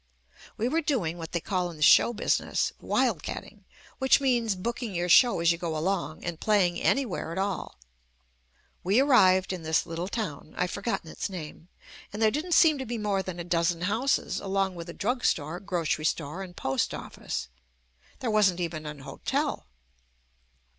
We were doing what they call in the show business "Wild Catting," which means booking your show as you go along and playing anywhere at all. We arrived in this little town — I've forgotten its name — and there didn't seem to be more than a dozen houses along with a drug store, grocery store and post office. There wasn't even an hotel.